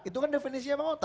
itu kan definisinya bang ota